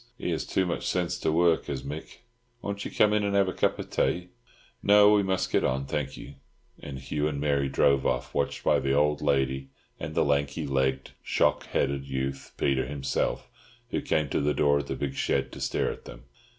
He has too much sense to work, has Mick. Won't you come in and have a cup of tay?" "No, we must get on, thank you," and Hugh and Mary drove off, watched by the old lady and the lanky legged, shock headed youth—Peter himself—who came to the door of the big shed to stare at them.